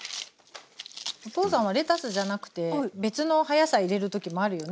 お父さんはレタスじゃなくて別の葉野菜入れる時もあるよね。